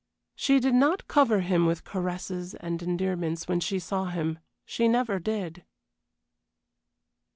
She did not cover him with caresses and endearments when she saw him; she never did.